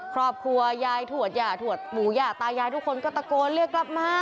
ครอบครัวยายถวดหย่าถวดหมูย่าตายายทุกคนก็ตะโกนเรียกกลับมา